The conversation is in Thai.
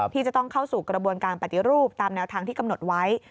ที่จะต้องเข้าสู่กระบวนการปฏิรูปตามแนวทางที่กำหนดไว้